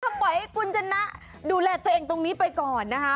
ปล่อยให้คุณชนะดูแลตัวเองตรงนี้ไปก่อนนะคะ